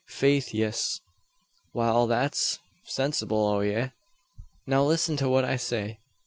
"Faith, yis." "Wal, that's sensible o' ye. Now lissen to what I say.